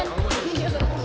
mau makan ayam